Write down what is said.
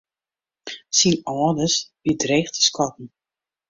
Syn âldens wie dreech te skatten.